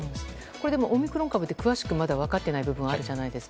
オミクロン株って詳しくまだ分かってない部分があるじゃないですか。